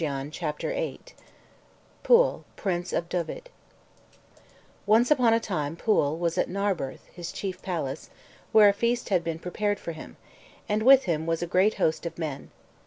] CHAPTER VIII PWYLL, PRINCE OF DYVED Once upon a time Pwyll was at Narberth, his chief palace, where a feast had been prepared for him, and with him was a great host of men.